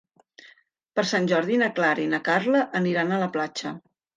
Per Sant Jordi na Clara i na Carla aniran a la platja.